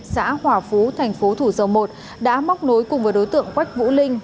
xã hòa phú thành phố thủ dầu một đã móc nối cùng với đối tượng quách vũ linh